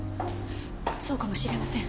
そうかもしれません。